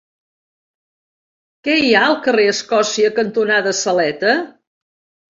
Què hi ha al carrer Escòcia cantonada Saleta?